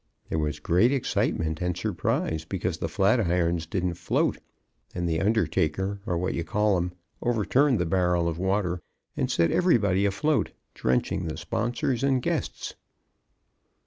There was great excitement and surprise because the flatirons didn't float, and the undertaker, or what you call 'em, overturned the barrel of water and set everybody afloat, drenching the sponsors and guests.